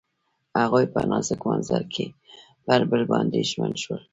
هغوی په نازک منظر کې پر بل باندې ژمن شول.